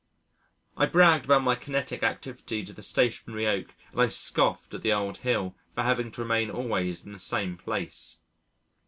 I bragged about my kinetic activity to the stationary oak and I scoffed at the old hill for having to remain always in the same place.